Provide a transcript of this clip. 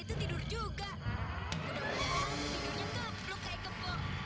distrik class cupang